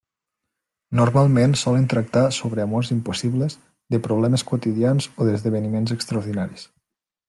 Normalment solen tractar sobre amors impossibles, de problemes quotidians o d'esdeveniments extraordinaris.